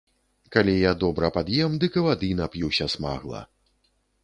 Калі я добра пад'ем, дык і вады нап'юся смагла.